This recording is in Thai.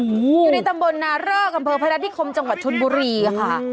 อยู่ในตำบลนาเริกอำเภอพนัฐนิคมจังหวัดชนบุรีค่ะ